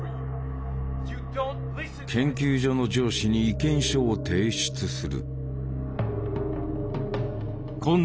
研究所の上司に意見書を提出する。